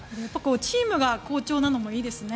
チームが好調なのもいいですね。